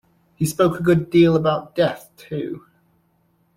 He spoke a good deal about death, too.